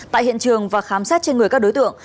tại hiện trường và khám xét trên người các đối tượng